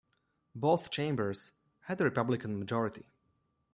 Both chambers had a Republican majority.